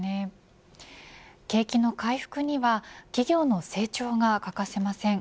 景気の回復には企業の成長が欠かせません。